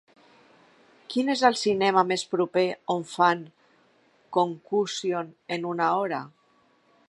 Quin és el cinema més proper on fan Concussion en una hora?